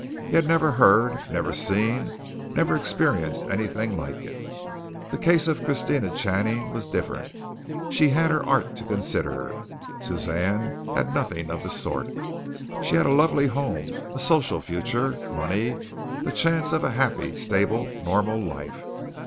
He had never heard, never seen, never experienced anything like it. The case of Christina Channing was different. She had her art to consider. Suzanne had nothing of the sort. She had a lovely home, a social future, money, the chance of a happy, stable, normal life.